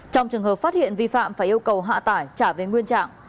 trong trường hợp phát hiện vi phạm phải yêu cầu hạ tải trả về nguyên trạng